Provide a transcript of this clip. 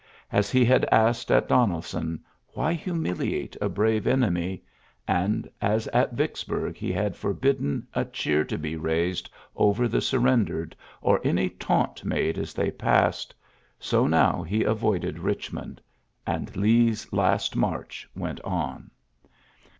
As he had asked at Donebon, Why humiliate a brave enemy f and as at Yicksburg he had forbidden a cheer to be raised over the surrendered, or any taunt made as they passed, so now lie avoided Eichmond; and Lee's last march went on.